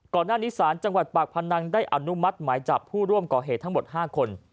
ก่อนหน้านี้ศาลจังหวัดปากพนังได้อนุมัติหมายจับผู้ร่วมก่อเหตุทั้งหมด๕คน